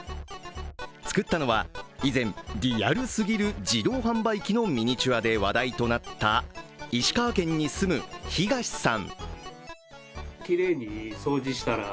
作ったのは以前、リアルすぎる自動販売機のミニチュアで話題となった石川県に住む東さん。